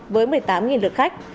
với một mươi tám lượt khách